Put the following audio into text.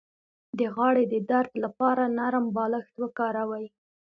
د غاړې د درد لپاره نرم بالښت وکاروئ